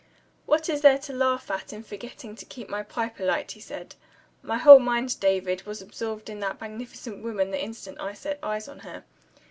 "What is there to laugh at in my forgetting to keep my pipe alight?" he asked. "My whole mind, David, was absorbed in that magnificent woman the instant I set eyes on her.